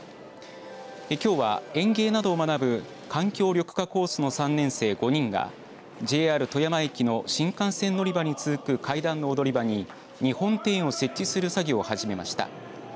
きょうは園芸などを学ぶ環境緑化コースの３年生５人がＪＲ富山駅の新幹線乗り場に続く階段の踊り場に日本庭園を設置する作業を始めました。